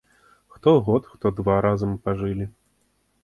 Хто год, хто два разам пажылі.